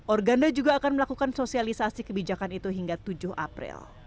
organda juga akan melakukan sosialisasi kebijakan itu hingga tujuh april